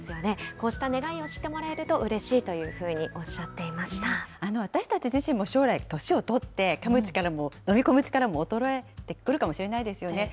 こうした願いを知ってもらえるとうれしいというふうにおっしゃっ私たち自身も将来、年を取って、かむ力も飲み込む力も衰えてくるかもしれないですよね。